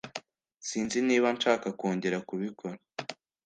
Sinzi niba nshaka kongera kubikora.